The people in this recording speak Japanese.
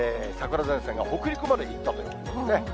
桜前線が北陸までいったということですね。